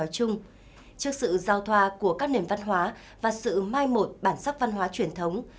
trước sự giao thoa của các nền văn hóa và sự mai một bản sắc văn hóa truyền thống